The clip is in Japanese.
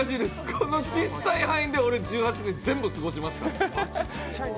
このちっさい範囲で俺１８年、全部過ごしましたから。